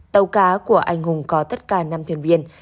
tàu cá của anh hùng có tất cả năm thuyền viên